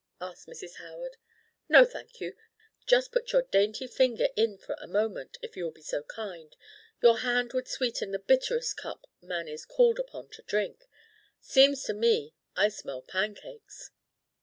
asked Mrs. Howard. "No, thank you just put your dainty finger in for a moment, if you will be so kind. Your hand would sweeten the bitterest cup man is called upon to drink. Seems to me I smell pancakes."